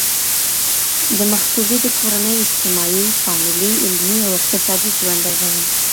د مخطوبې د کورنۍ اجتماعي، فاميلي، علمي او اقتصادي ژوند ارزول